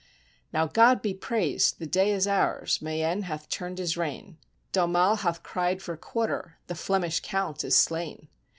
Now God be praised, the day is ours ! Mayenne hath turned his rein, D'Aumale hath cried for quarter — the Flemish Count is slain.